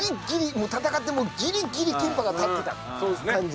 もう戦ってもうギリギリキンパが勝ってた感じ。